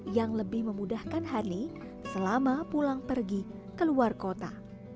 yang lebih memudahkan harley selama pulang pergi ke luar kota